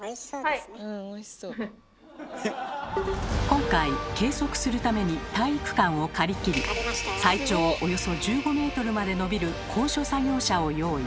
今回計測するために体育館を借り切り最長およそ１５ｍまで伸びる高所作業車を用意。